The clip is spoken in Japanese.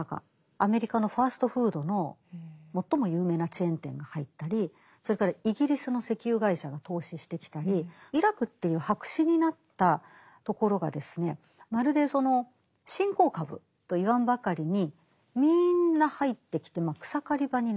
アメリカのファストフードの最も有名なチェーン店が入ったりそれからイギリスの石油会社が投資してきたりイラクっていう白紙になったところがまるでその新興株と言わんばかりにみんな入ってきて草刈り場になったわけです。